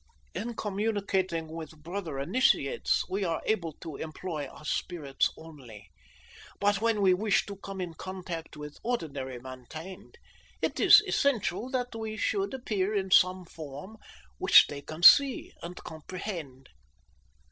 "In communicating with brother initiates we are able to employ our spirits only, but when we wish to come in contact with ordinary mankind it is essential that we should appear in some form which they can see and comprehend."